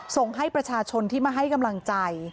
ส่งให้ประชาชนที่มาให้กำลังใจ